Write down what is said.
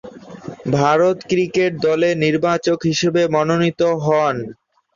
Bharat cricket দলের নির্বাচক হিসেবে মনোনীত হন।